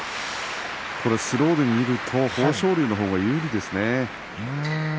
スローで見ると豊昇龍のほうが有利ですね。